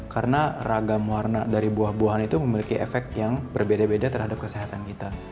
karena ragam warna dari buah buahan itu memiliki efek yang berbeda beda terhadap kesehatan kita